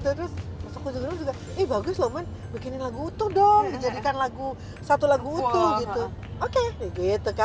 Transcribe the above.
terus masuk ke jurang juga eh bagus lho mbak bikinin lagu utuh dong dijadikan satu lagu utuh gitu oke ya gitu kan